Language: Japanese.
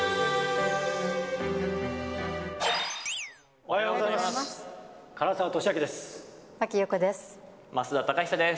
おはようございます。